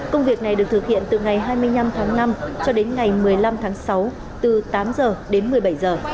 công việc này được thực hiện từ ngày hai mươi năm tháng năm cho đến ngày một mươi năm tháng sáu từ tám giờ đến một mươi bảy giờ